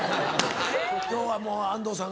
今日はもう安藤さん